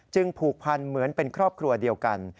ผูกพันเหมือนเป็นครอบครัวเดียวกัน